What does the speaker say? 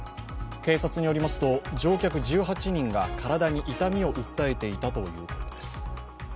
警察によりますと、乗客１８人がからだに痛みを訴えていたということです。